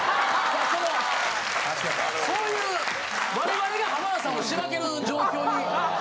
そういう我々が浜田さんをしばける状況に。